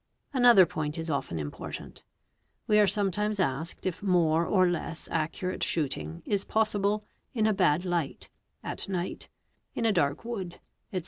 Another point is often important; we are sometimes asked if more 'or less accurate shooting is possible in a bad light, at night, in a dark wood, etc.